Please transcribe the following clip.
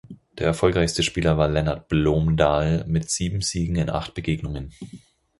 Der erfolgreichste Spieler war Lennart Blomdahl mit sieben Siegen in acht Begegnungen.